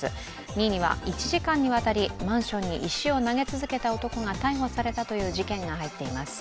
２位には１時間にわたりマンションに石を投げ続けた男が逮捕されたという事件が入っています。